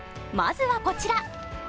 まずは、こちら。